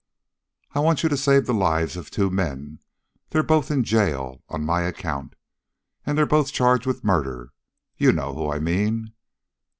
"I want you to save the lives of two men. They're both in jail on my account. And they're both charged with murder. You know whom I mean."